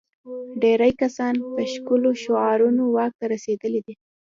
ډېری کسان په ښکلو شعارونو واک ته رسېدلي دي.